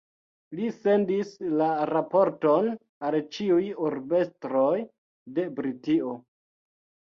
Li sendis la raporton al ĉiuj urbestroj de Britio.